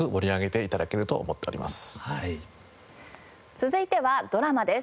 続いてはドラマです。